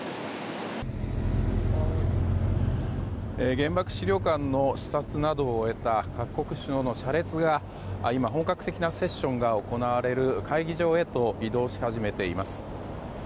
原爆資料館の視察などを終えた各国首脳の車列が今、本格的なセッションが行われる会議場へと移動し始めています。